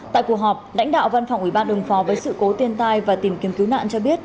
tại cuộc họp lãnh đạo văn phòng ủy ban ứng phó với sự cố tiên tai và tìm kiếm cứu nạn cho biết